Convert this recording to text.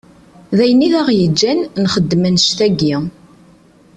D ayen i d aɣ-yeǧǧan, nxeddem anect-agi.